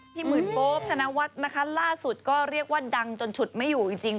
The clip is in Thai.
หมื่นโป๊บธนวัฒน์นะคะล่าสุดก็เรียกว่าดังจนฉุดไม่อยู่จริง